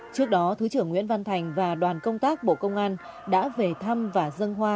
trước đó thứ trưởng nguyễn văn thành và đoàn công tác bộ công an đã về thăm và dân hoa